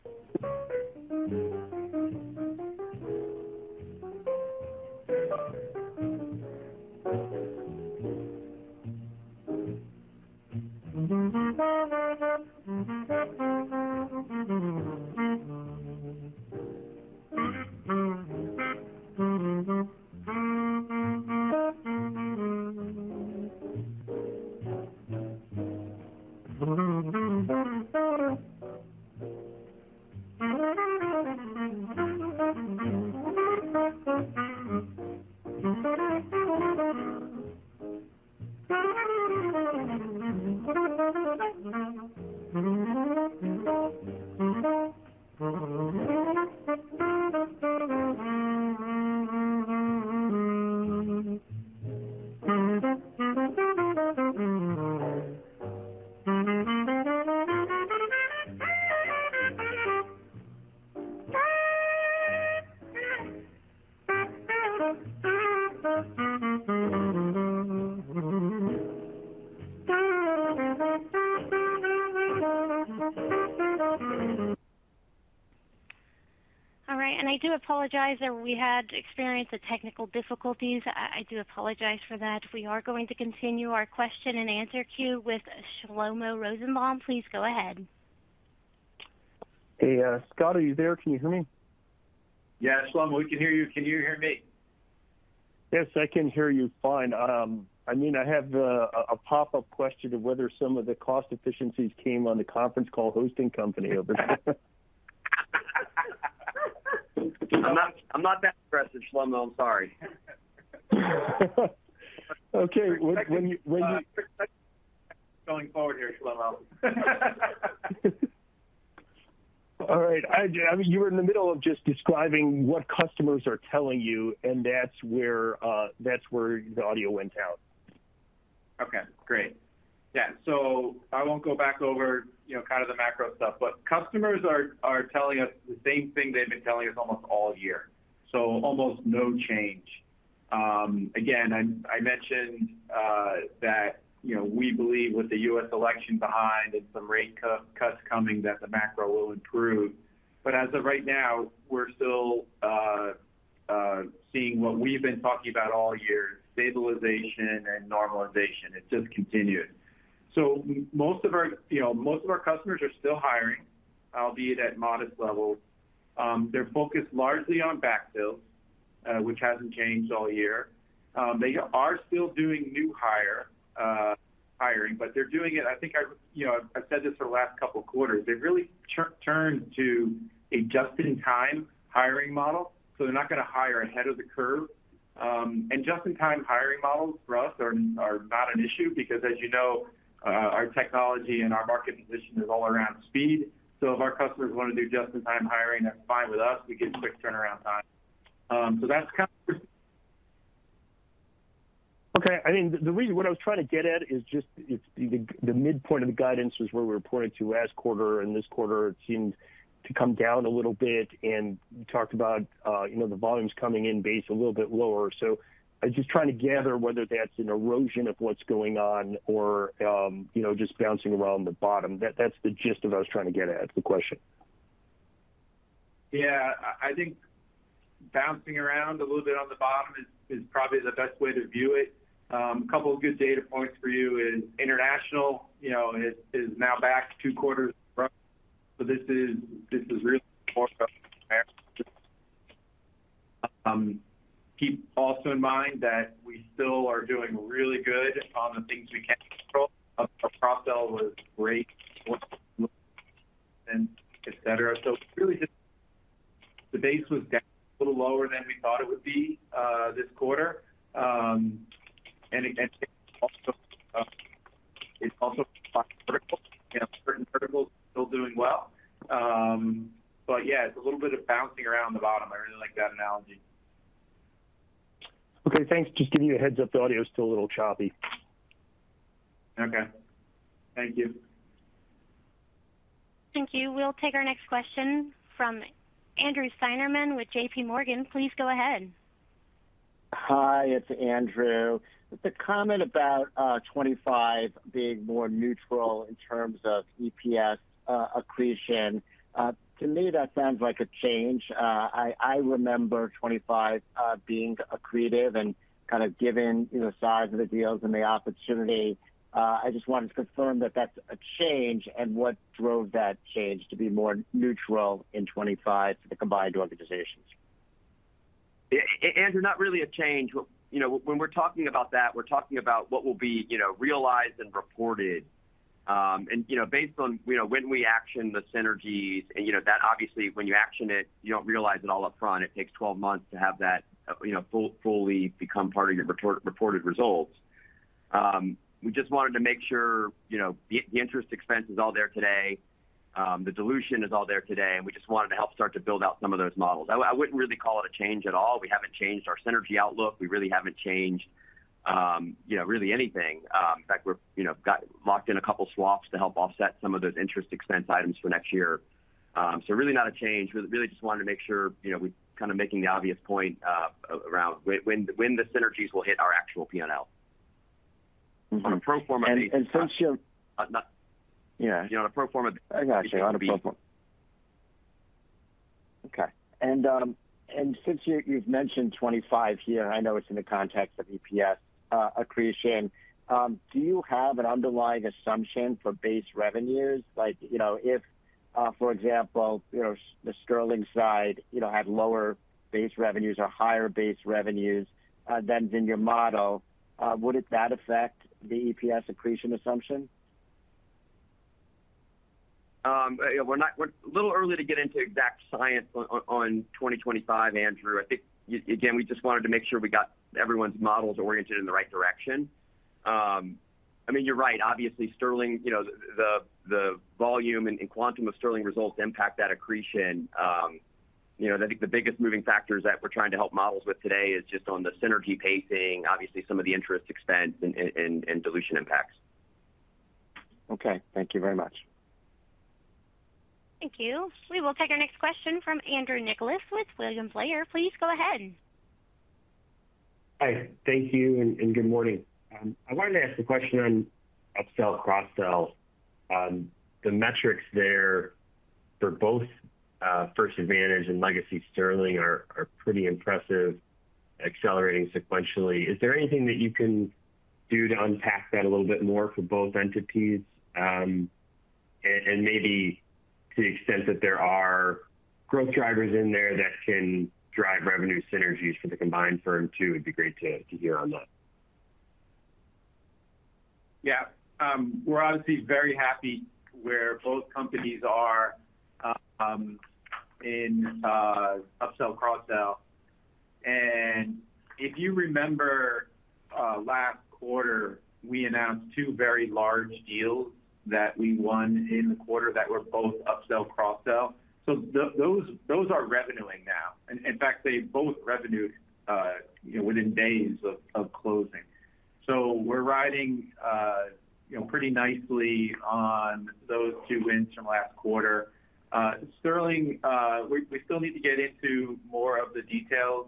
S1: All right. And I do apologize that we had experienced the technical difficulties. I do apologize for that. We are going to continue our question and answer queue with Shlomo Rosenbaum. Please go ahead.
S6: Hey, Scott, are you there? Can you hear me?
S3: Yeah, Shlomo, we can hear you. Can you hear me?
S6: Yes, I can hear you fine. I mean, I have a pop-up question of whether some of the cost efficiencies came on the conference call hosting company over there.
S3: I'm not that aggressive, Shlomo. I'm sorry.
S6: Okay.
S3: Going forward here, Shlomo.
S6: All right. I mean, you were in the middle of just describing what customers are telling you, and that's where the audio went down.
S3: Okay. Great. Yeah. So I won't go back over kind of the macro stuff, but customers are telling us the same thing they've been telling us almost all year. So almost no change. Again, I mentioned that we believe with the U.S. election behind and some rate cuts coming that the macro will improve. But as of right now, we're still seeing what we've been talking about all year: stabilization and normalization. It just continued. So most of our customers are still hiring, albeit at modest levels. They're focused largely on backfills, which hasn't changed all year. They are still doing new hiring, but they're doing it. I think I've said this for the last couple of quarters. They've really turned to a just-in-time hiring model. So they're not going to hire ahead of the curve. And just-in-time hiring models for us are not an issue because, as you know, our technology and our market position is all around speed. So if our customers want to do just-in-time hiring, that's fine with us. We get quick turnaround time. So that's kind of.
S6: Okay. I mean, the reason what I was trying to get at is just the midpoint of the guidance was where we reported, too, last quarter, and this quarter seemed to come down a little bit. And we talked about the volumes coming in based a little bit lower. So I'm just trying to gather whether that's an erosion of what's going on or just bouncing around the bottom. That's the gist of what I was trying to get at with the question.
S3: Yeah. I think bouncing around a little bit on the bottom is probably the best way to view it. A couple of good data points for you is international is now back two quarters from. So this is really more of a market. Keep also in mind that we still are doing really good on the things we can control. Our cross-sell was great, etc. So really, the base was down a little lower than we thought it would be this quarter. And it's also vertical. Certain verticals are still doing well. But yeah, it's a little bit of bouncing around the bottom. I really like that analogy.
S6: Okay. Thanks. Just giving you a heads-up. The audio is still a little choppy.
S3: Okay. Thank you.
S1: Thank you. We'll take our next question from Andrew Steinerman with J.P. Morgan. Please go ahead.
S7: Hi. It's Andrew. The comment about 25 being more neutral in terms of EPS accretion, to me, that sounds like a change. I remember 25 being accretive and kind of given the size of the deals and the opportunity. I just wanted to confirm that that's a change and what drove that change to be more neutral in 25 for the combined organizations.
S3: Yeah. Andrew, not really a change. When we're talking about that, we're talking about what will be realized and reported, and based on when we action the synergies, and that obviously, when you action it, you don't realize it all upfront. It takes 12 months to have that fully become part of your reported results. We just wanted to make sure the interest expense is all there today. The dilution is all there today. And we just wanted to help start to build out some of those models. I wouldn't really call it a change at all. We haven't changed our synergy outlook. We really haven't changed really anything. In fact, we've got locked in a couple of swaps to help offset some of those interest expense items for next year. So really not a change. Really just wanted to make sure we're kind of making the obvious point around when the synergies will hit our actual P&L on a pro forma. (crosstalk)
S7: And since you've mentioned 25 here, I know it's in the context of EPS accretion, do you have an underlying assumption for base revenues? If, for example, the Sterling side had lower base revenues or higher base revenues, then in your model, would that affect the EPS accretion assumption?
S3: We're a little early to get into exact science on 2025, Andrew. I think, again, we just wanted to make sure we got everyone's models oriented in the right direction. I mean, you're right. Obviously, the volume and quantum of Sterling results impact that accretion. I think the biggest moving factors that we're trying to help models with today is just on the synergy pacing, obviously, some of the interest expense and dilution impacts.
S7: Okay. Thank you very much.
S1: Thank you. We will take our next question from Andrew Nicholas with William Blair. Please go ahead.
S8: Hi. Thank you and good morning. I wanted to ask a question on upsell cross-sell. The metrics there for both First Advantage and Legacy Sterling are pretty impressive, accelerating sequentially. Is there anything that you can do to unpack that a little bit more for both entities? Maybe to the extent that there are growth drivers in there that can drive revenue synergies for the combined firm too, it'd be great to hear on that.
S3: Yeah. We're obviously very happy where both companies are in upsell cross-sell. And if you remember last quarter, we announced two very large deals that we won in the quarter that were both upsell cross-sell. So those are revenuing now. In fact, they both revenued within days of closing. So we're riding pretty nicely on those two wins from last quarter. Sterling, we still need to get into more of the details.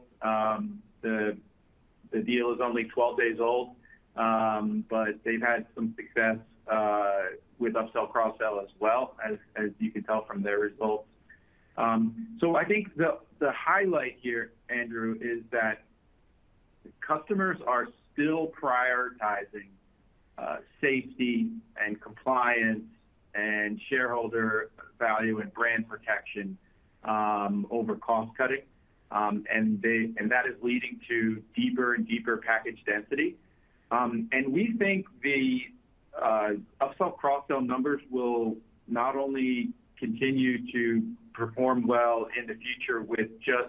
S3: The deal is only 12 days old, but they've had some success with upsell cross-sell as well, as you can tell from their results. So I think the highlight here, Andrew, is that customers are still prioritizing safety and compliance and shareholder value and brand protection over cost cutting. That is leading to deeper and deeper package density. We think the upsell cross-sell numbers will not only continue to perform well in the future with just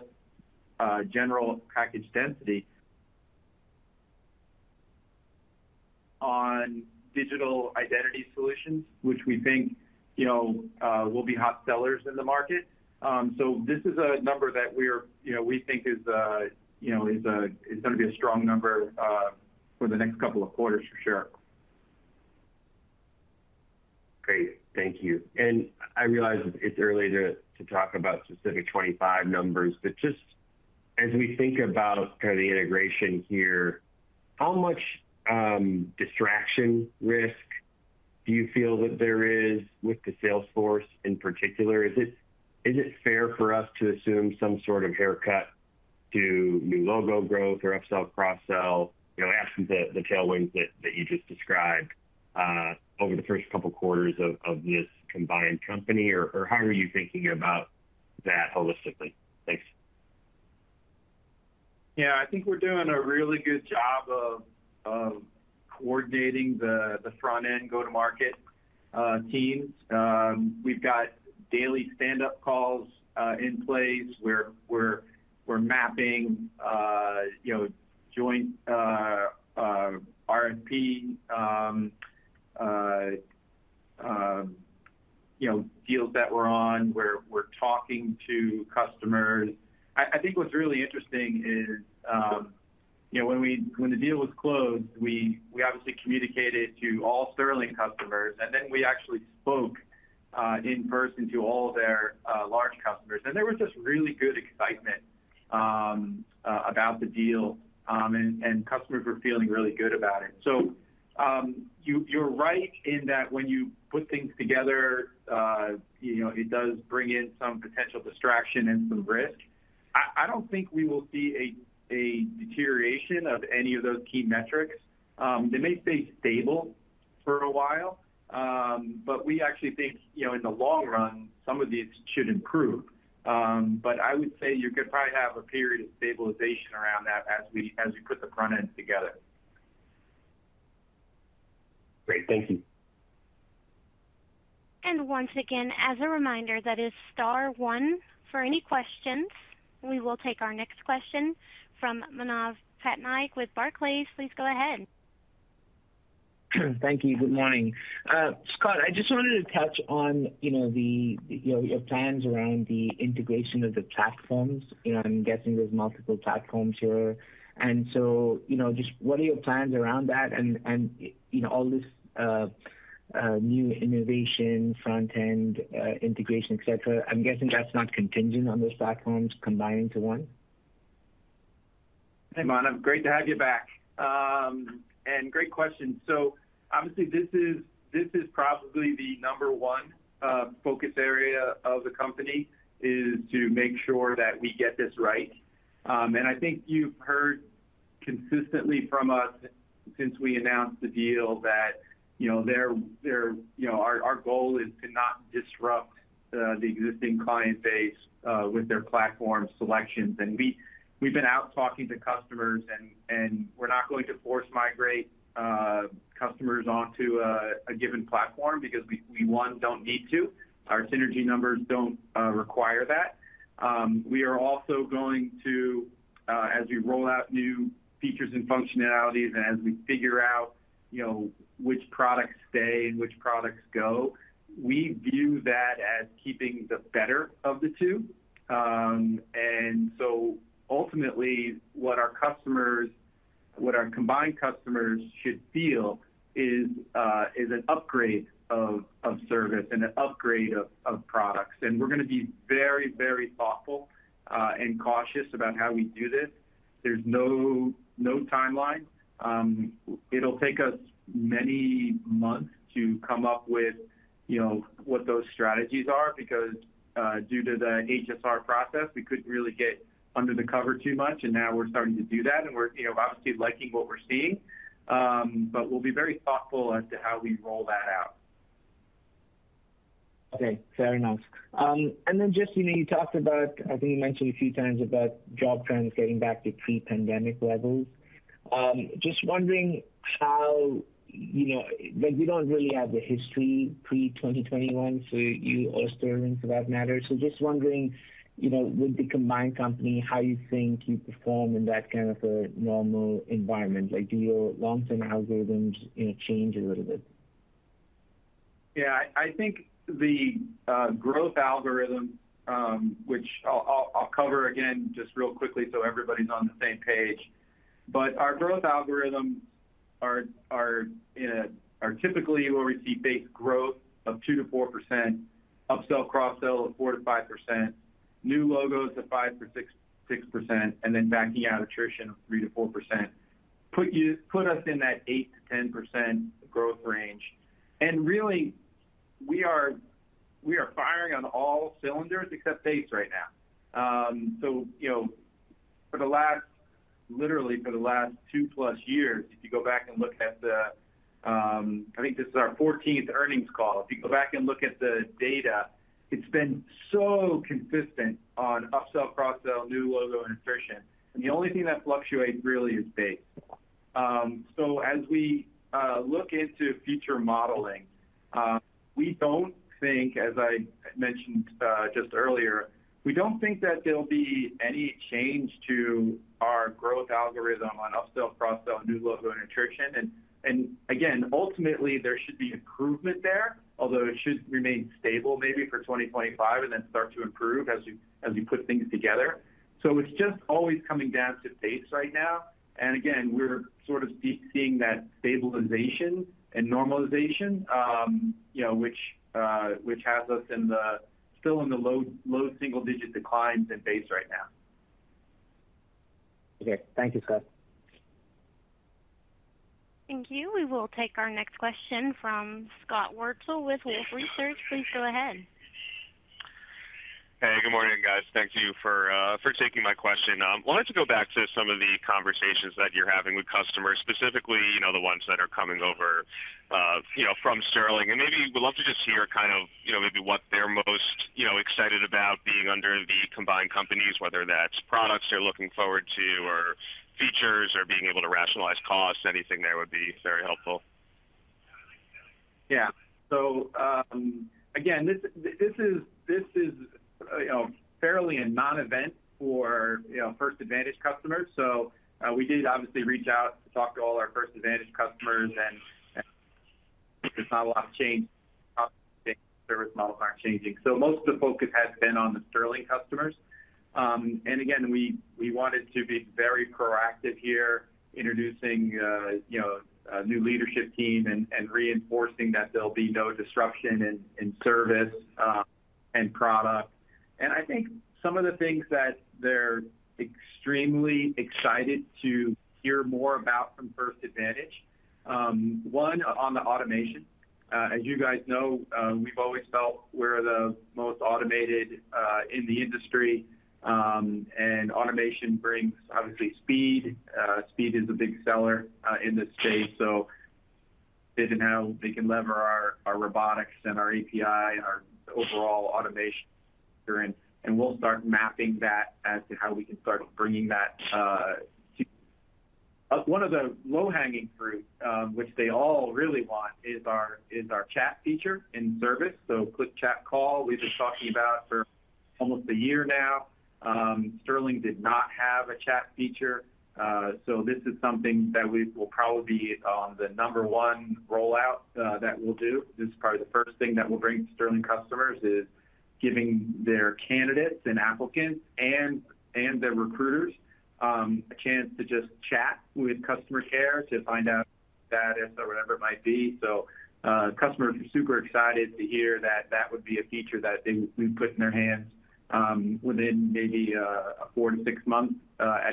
S3: general package density on digital identity solutions, which we think will be hot sellers in the market. This is a number that we think is going to be a strong number for the next couple of quarters for sure.
S8: Great. Thank you. I realize it's early to talk about specific 2025 numbers, but just as we think about kind of the integration here, how much distraction risk do you feel that there is with the Sterling in particular? Is it fair for us to assume some sort of haircut to new logo growth or upsell cross-sell, absent the tailwinds that you just described over the first couple of quarters of this combined company? Or how are you thinking about that holistically? Thanks.
S3: Yeah. I think we're doing a really good job of coordinating the front-end go-to-market teams. We've got daily stand-up calls in place where we're mapping joint RFP deals that we're on. We're talking to customers. I think what's really interesting is when the deal was closed, we obviously communicated to all Sterling customers. And then we actually spoke in person to all their large customers. And there was just really good excitement about the deal. And customers were feeling really good about it. So you're right in that when you put things together, it does bring in some potential distraction and some risk. I don't think we will see a deterioration of any of those key metrics. They may stay stable for a while, but we actually think in the long run, some of these should improve. But I would say you could probably have a period of stabilization around that as we put the front-end together.
S7: Great. Thank you.
S1: And once again, as a reminder, that is star one. For any questions, we will take our next question from Manav Patnaik with Barclays. Please go ahead.
S9: Thank you. Good morning. Scott, I just wanted to touch on the plans around the integration of the platforms. I'm guessing there's multiple platforms here. And so just what are your plans around that and all this new innovation, front-end integration, etc.? I'm guessing that's not contingent on those platforms combining to one.
S3: Hey, Manav. Great to have you back. And great question. So obviously, this is probably the number one focus area of the company is to make sure that we get this right. And I think you've heard consistently from us since we announced the deal that our goal is to not disrupt the existing client base with their platform selections. And we've been out talking to customers, and we're not going to force migrate customers onto a given platform because we, one, don't need to. Our synergy numbers don't require that. We are also going to, as we roll out new features and functionalities and as we figure out which products stay and which products go, we view that as keeping the better of the two. And so ultimately, what our combined customers should feel is an upgrade of service and an upgrade of products. And we're going to be very, very thoughtful and cautious about how we do this. There's no timeline. It'll take us many months to come up with what those strategies are because due to the HSR process, we couldn't really get under the hood too much. And now we're starting to do that. And we're obviously liking what we're seeing. But we'll be very thoughtful as to how we roll that out.
S9: Okay. Fair enough. And then just you talked about, I think you mentioned a few times about job trends getting back to pre-pandemic levels. Just wondering how we don't really have the history pre-2021 for you or Sterling for that matter. So just wondering, with the combined company, how you think you perform in that kind of a normal environment? Do your long-term algorithms change a little bit?
S3: Yeah. I think the growth algorithm, which I'll cover again just real quickly so everybody's on the same page. But our growth algorithms are typically where we see base growth of 2%-4%, upsell cross-sell of 4%-5%, new logos of 5%-6%, and then backing out attrition of 3%-4%. Put us in that 8%-10% growth range. And really, we are firing on all cylinders except base right now. So literally for the last two-plus years, if you go back and look at the I think this is our 14th earnings call. If you go back and look at the data, it's been so consistent on upsell cross-sell, new logo, and attrition. And the only thing that fluctuates really is base. So as we look into future modeling, we don't think, as I mentioned just earlier, we don't think that there'll be any change to our growth algorithm on upsell cross-sell, new logo, and attrition. And again, ultimately, there should be improvement there, although it should remain stable maybe for 2025 and then start to improve as we put things together. So it's just always coming down to base right now. And again, we're sort of seeing that stabilization and normalization, which has us still in the low single-digit declines in base right now.
S9: Okay. Thank you, Scott.
S1: Thank you. We will take our next question from Scott Wurtzel with Wolfe Research. Please go ahead.
S10: Hey, good morning, guys. Thank you for taking my question. Wanted to go back to some of the conversations that you're having with customers, specifically the ones that are coming over from Sterling. And maybe we'd love to just hear kind of maybe what they're most excited about being under the combined companies, whether that's products they're looking forward to or features or being able to rationalize costs. Anything there would be very helpful.
S3: Yeah, so again, this is fairly a non-event for First Advantage customers. So we did obviously reach out to talk to all our First Advantage customers, and there's not a lot of change. Service models aren't changing, so most of the focus has been on the Sterling customers. And again, we wanted to be very proactive here, introducing a new leadership team and reinforcing that there'll be no disruption in service and product, and I think some of the things that they're extremely excited to hear more about from First Advantage, one on the automation. As you guys know, we've always felt we're the most automated in the industry, and automation brings obviously speed. Speed is a big seller in this space, so they can lever our robotics and our API, our overall automation. We'll start mapping that as to how we can start bringing that to one of the low-hanging fruit, which they all really want: our chat feature in service, Click Chat Call. We've been talking about it for almost a year now. Sterling did not have a chat feature. This is something that will probably be on the number-one rollout that we'll do. This is probably the first thing that we'll bring to Sterling customers: giving their candidates and applicants and their recruiters a chance to just chat with customer care to find out status or whatever it might be. Customers are super excited to hear that that would be a feature that we put in their hands within maybe a four- to six-month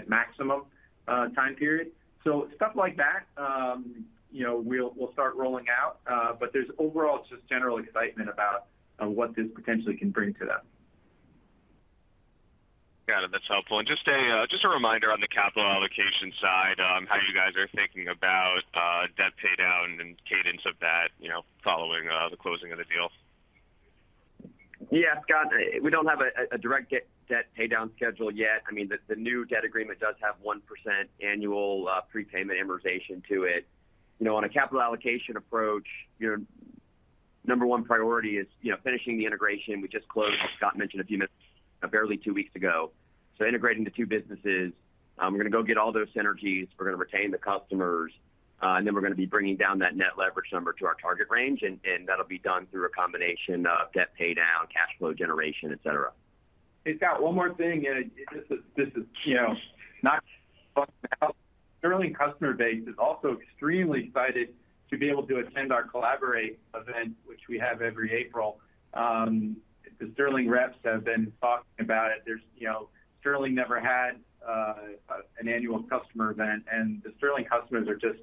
S3: maximum time period. Stuff like that, we'll start rolling out. But overall, it's just general excitement about what this potentially can bring to them.
S10: Got it. That's helpful. And just a reminder on the capital allocation side, how you guys are thinking about debt paydown and cadence of that following the closing of the deal.
S3: Yeah, Scott, we don't have a direct debt paydown schedule yet. I mean, the new debt agreement does have 1% annual prepayment amortization to it. On a capital allocation approach, number one priority is finishing the integration. We just closed, as Scott mentioned a few minutes ago, barely two weeks ago. So integrating the two businesses, we're going to go get all those synergies. We're going to retain the customers. And then we're going to be bringing down that net leverage number to our target range. And that'll be done through a combination of debt paydown, cash flow generation, etc. Hey, Scott, one more thing. The Sterling customer base is also extremely excited to be able to attend our Collaborate event, which we have every April. The Sterling reps have been talking about it. Sterling never had an annual customer event, and the Sterling customers are just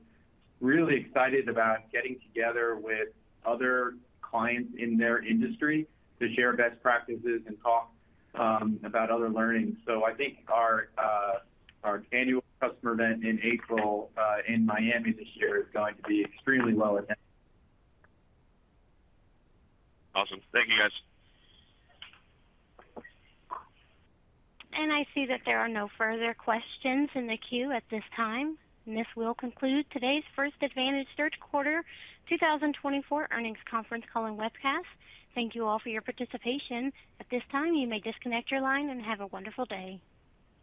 S3: really excited about getting together with other clients in their industry to share best practices and talk about other learnings, so I think our annual customer event in April in Miami this year is going to be extremely well. (inaudible)
S10: Awesome. Thank you, guys.
S1: And I see that there are no further questions in the queue at this time. This will conclude today's First Advantage Third Quarter 2024 earnings conference call and webcast. Thank you all for your participation. At this time, you may disconnect your line and have a wonderful day.